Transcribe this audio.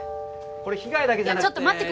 これ被害だけじゃなくて。